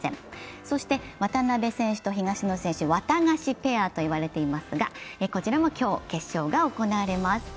そして渡辺選手と東野選手ワタガシペアと言われていますがこちらも今日、決勝が行われます。